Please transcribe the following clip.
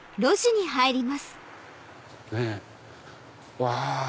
うわ！